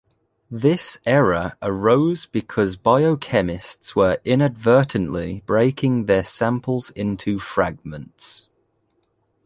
This error arose because biochemists were inadvertently breaking their samples into fragments.